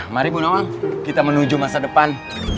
mari bu nawang kita menuju masa depan